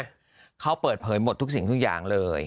ประโยชน์ที่แต้งหมดทุกสิ่งทุกอย่างเลย